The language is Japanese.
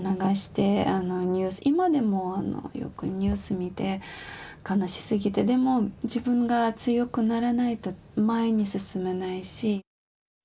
今でもよくニュース見て悲しすぎてでも自分が強くならないと前に進めないし。